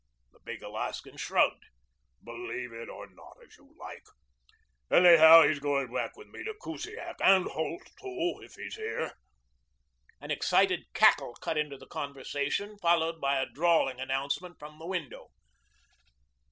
The big Alaskan shrugged. "Believe it or not as you like. Anyhow, he's going back with me to Kusiak and Holt, too, if he's here." An excited cackle cut into the conversation, followed by a drawling announcement from the window.